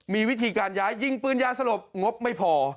มีวิธีการย้ายยิงปืนยาสลบงบไม่พอ